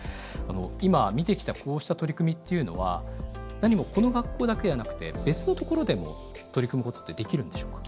今見てきたこうした取り組みっていうのはなにもこの学校だけじゃなくて別の所でも取り組むことってできるんでしょうか？